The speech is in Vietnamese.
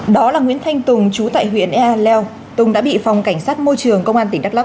đó là nguyễn thanh tùng chú tại huyện ea leo tùng đã bị phòng cảnh sát môi trường công an tỉnh đắk lắc